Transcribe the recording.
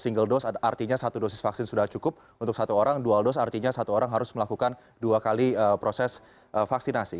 single dose artinya satu dosis vaksin sudah cukup untuk satu orang dua dos artinya satu orang harus melakukan dua kali proses vaksinasi